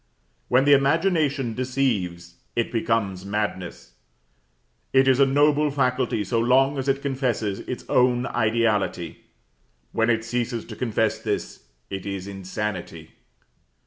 When the imagination deceives it becomes madness. It is a noble faculty so long as it confesses its own ideality; when it ceases to confess this, it is insanity.